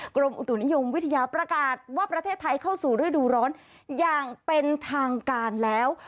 กรมอุตุนิยมวิทยาประกาศว่าประเทศไทยเข้าสู่ฤดูร้อนอย่างเป็นทางการแล้ว